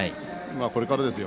これからですよ。